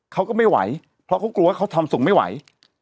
เขาก็ไม่ไหวเพราะเขากลัวว่าเขาทำส่งไม่ไหว